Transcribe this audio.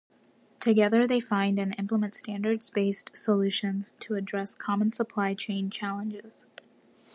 Together they find and implement standards-based solutions to address common supply chain challenges.